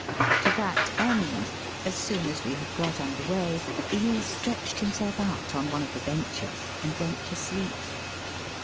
To that end, as soon as we had got under weigh, he stretched himself out on one of the benches and went to sleep.